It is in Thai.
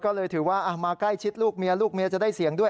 ก็เลยถือว่ามาใกล้ชิดลูกเมียลูกเมียจะได้เสียงด้วย